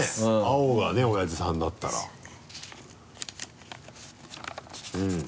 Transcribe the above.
青がねおやじさんだったら。ですよね。